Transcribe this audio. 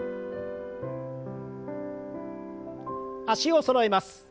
脚をそろえます。